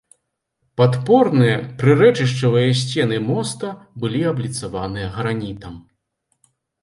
Падпорныя прырэчышчавыя сцены моста былі абліцаваныя гранітам.